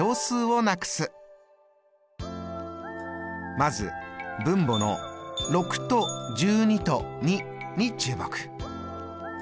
まず分母の６と１２と２に注目。